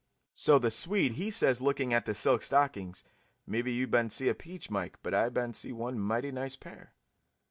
So the Swede he says lookin' at the silk stockings, 'Mebby you ban see a peach, Mike, but I ban see one mighty nice pair.'